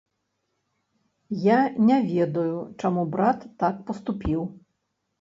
Я не ведаю, чаму брат так паступіў.